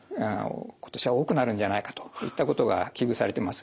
今年は多くなるんじゃないかといったことが危惧されています。